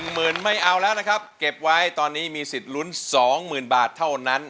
หมื่นไม่เอาแล้วนะครับเก็บไว้ตอนนี้มีสิทธิ์ลุ้น๒๐๐๐บาทเท่านั้น